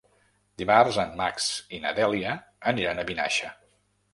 Dimarts en Max i na Dèlia aniran a Vinaixa.